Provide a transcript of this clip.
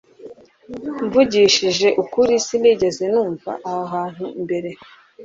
Mvugishije ukuri Sinigeze numva aha hantu mbere